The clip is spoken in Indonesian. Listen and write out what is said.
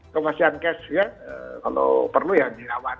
kalau perlu ya dirawat